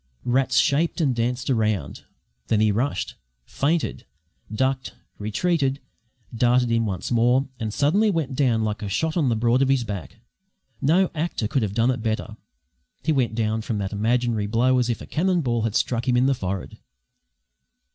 Rats shaped and danced round; then he rushed, feinted, ducked, retreated, darted in once more, and suddenly went down like a shot on the broad of his back. No actor could have done it better; he went down from that imaginary blow as if a cannon ball had struck him in the forehead.